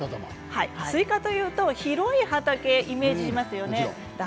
スイカというと広い畑をイメージしますよね。